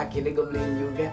ah gini gue beliin juga